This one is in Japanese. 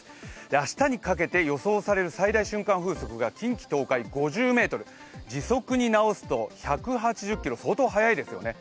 明日にかけて予想される最大瞬間風速が近畿・東海５０メートル時速に直すと１８０キロ相当速いですよね。